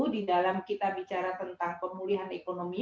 di dalam kita bicara tentang pemulihan ekonomi